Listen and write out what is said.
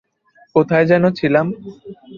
কোথায় যেন ছিলাম?